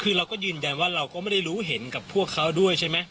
คือเราก็ยืนยันว่าเราก็ไม่ได้รู้เห็นกับพวกเขาด้วยใช่ไหม